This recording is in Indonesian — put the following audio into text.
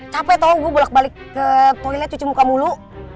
capek tolong gue bolak balik ke toilet cuci muka mulu